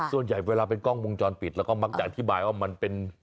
ส่วนใหญ่เวลาเป็นกล้องวงจรปิดเราก็มักจะอธิบายว่ามันเป็น